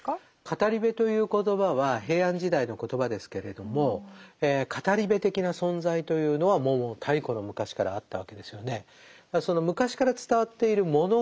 語部という言葉は平安時代の言葉ですけれども語部的な存在というのはもう太古の昔からあったわけですよね。